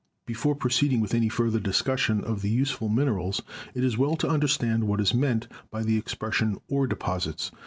Before proceeding with any further discussion of the useful minerals, it is well to understand what is meant by the expression 'ore deposits.'